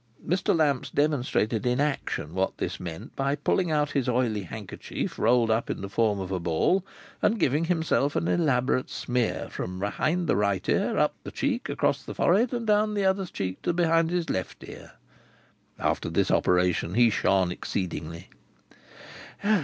Mr. Lamps demonstrated in action what this meant, by pulling out his oily handkerchief rolled up in the form of a ball, and giving himself an elaborate smear, from behind the right ear, up the cheek, across the forehead, and down the other cheek to behind his left ear. After this operation he shone exceedingly.